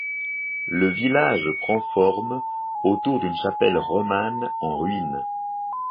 Le village prend forme autour d'une chapelle romane en ruines.